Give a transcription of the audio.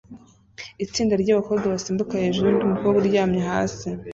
Itsinda ryabakobwa basimbuka hejuru yundi mukobwa uryamye hasi